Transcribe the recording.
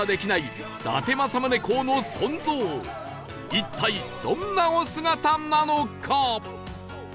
一体どんなお姿なのか？